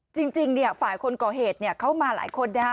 จริงเนี่ยฝ่ายคนก่อเหตุเข้ามาหลายคนนะฮะ